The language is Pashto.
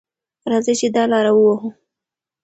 راځئ چې دا لاره ووهو.